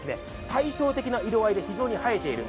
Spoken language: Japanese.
対照的な色合いで非常に映えている。